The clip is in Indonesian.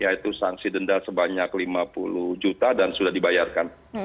yaitu sanksi denda sebanyak lima puluh juta dan sudah dibayarkan